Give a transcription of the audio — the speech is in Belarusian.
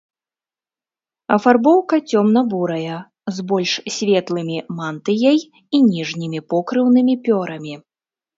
Афарбоўка цёмна-бурая, з больш светлымі мантыяй і ніжнімі покрыўнымі пёрамі.